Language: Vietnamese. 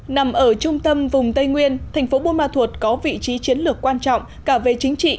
nằm ở trung tâm vùng tây nguyên thành phố buôn ma thuột có vị trí chiến lược quan trọng cả về chính trị